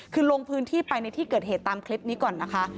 คือลงพื้นที่ไปในที่เกิดเหตุตามคลิปนี้ก่อนนะคะ